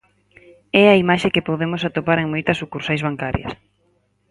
É a imaxe que podemos atopar en moitas sucursais bancarias.